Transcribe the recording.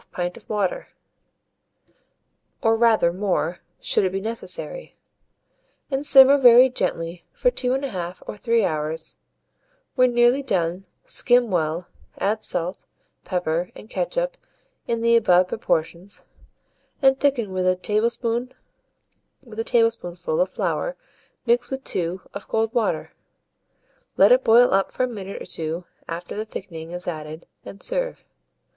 Put all into a saucepan, add 1/2 pint of water, or rather more should it be necessary, and simmer very gently for 2 1/2 or 3 hours; when nearly done, skim well, add salt, pepper, and ketchup in the above proportions, and thicken with a tablespoonful of flour mixed with 2 of cold water. Let it boil up for a minute or two after the thickening is added, and serve.